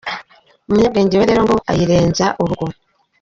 Umunyabwenge we rero ngo ayirenza urugo.